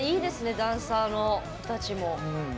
ダンサーの子たちも。